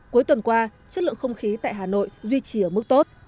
cuối tuần qua chất lượng không khí tại hà nội duy trì ở mức tốt